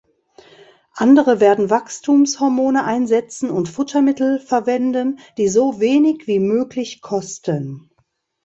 Andere werden Wachstumshormone einsetzen und Futtermittel verwenden, die so wenig wie möglich kosten.